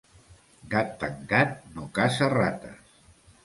Gat tancat no caça rates.